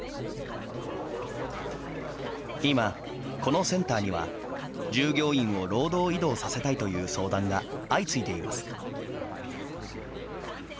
今このセンターには従業員を労働移動させたいという相談が相次いでいます。